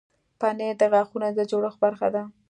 پنېر د غاښونو د جوړښت برخه ده.